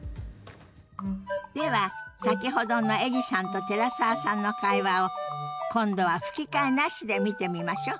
では先ほどのエリさんと寺澤さんの会話を今度は吹き替えなしで見てみましょ。